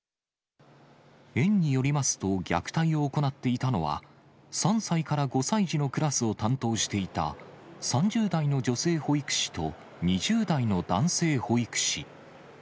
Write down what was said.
園によりますと、虐待を行っていたのは、３歳から５歳児のクラスを担当していた、３０代の女性保育士と２０代の男性保育士。